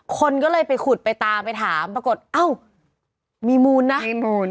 คนก็เลยไปขุดไปตามไปถามปรากฏอ้าวมีมูลนะมีมูล